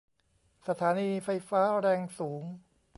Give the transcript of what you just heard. สถานีไฟฟ้าแรงสูง